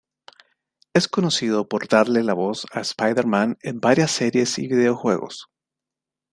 Es conocido por darle la voz a Spider-Man en varias series y videojuegos.